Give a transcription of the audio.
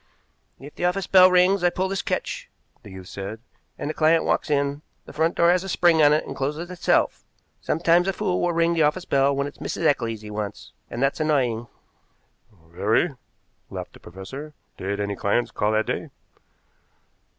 "If the office bell rings I pull this catch," the youth said, "and the client walks in. The front door has a spring on it and closes itself. Sometimes a fool will ring the office bell when it's Mrs. Eccles he wants, and that's annoying." "Very," laughed the professor. "Did any clients call that day?"